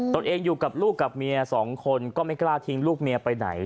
ตัวเองอยู่กับลูกกับเมียสองคนก็ไม่กล้าทิ้งลูกเมียไปไหน